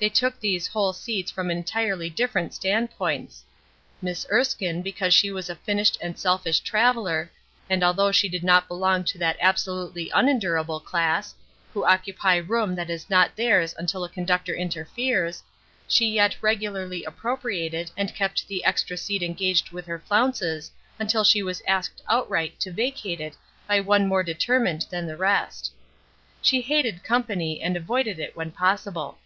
They took these whole seats from entirely different stand points Miss Erskine because she was a finished and selfish traveler; and although she did not belong to that absolutely unendurable class, who occupy room that is not theirs until a conductor interferes, she yet regularly appropriated and kept the extra seat engaged with her flounces until she was asked outright to vacate it by one more determined than the rest. She hated company and avoided it when possible.